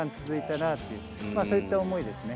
そういった思いですね。